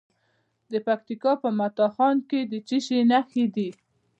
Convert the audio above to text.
د پکتیکا په متا خان کې د څه شي نښې دي؟